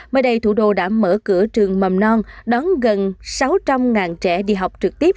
mới đây thủ đô đã mở cửa trường mầm non đón gần sáu trăm linh trẻ đi học trực tiếp